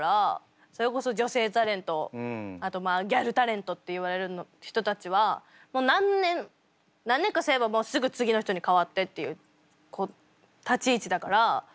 それこそ女性タレントあとまあギャルタレントっていわれる人たちは何年かすればすぐ次の人に替わってっていう立ち位置だから。